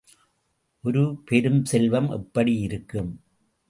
ஒரு பெருஞ்செல்வம் எப்படி இருக்கும்?